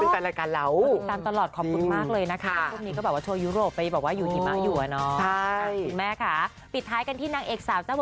เป็นการรายการแล้ว